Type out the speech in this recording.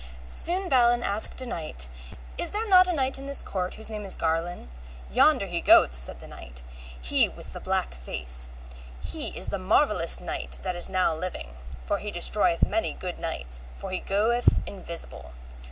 Soon Balin asked a knight, Is there not a knight in this court whose name is Garlon? Yonder he goeth, said a knight, he with the black face; he is the marvellest knight that is now living, for he destroyeth many good knights, for he goeth invisible.